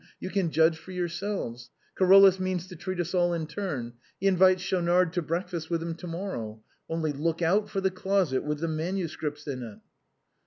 You can judge for your selves; Carolus means to treat us all in turn; he invites Schaunard to breakfast with him to morrow. Only look out for the closet with the manuscripts in it."